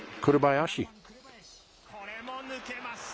これも抜けました。